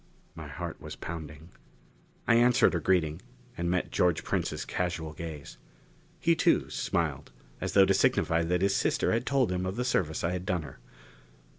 My heart was pounding. I answered her greeting, and met George Prince's casual gaze. He, too, smiled, as though to signify that his sister had told him of the service I had done her.